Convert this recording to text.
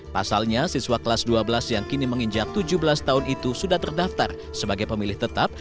pasalnya siswa kelas dua belas yang kini menginjak tujuh belas tahun itu sudah terdaftar sebagai pemilih tetap